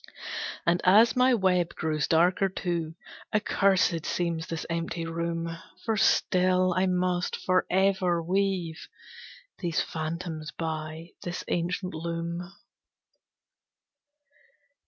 And as my web grows darker too, Accursed seems this empty room; For still I must forever weave These phantoms by this ancient loom.